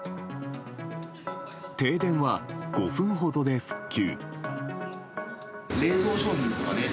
停電は５分ほどで復旧。